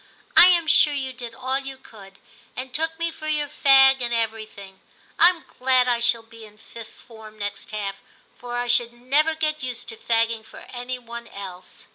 * I am sure you did all you could, and took me for your fag and everything. Tm glad I shall be in Fifth Form next half, for I should never get used to fagging for any one else.'